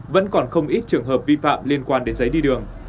vẫn còn không ít trường hợp vi phạm liên quan đến giấy đi đường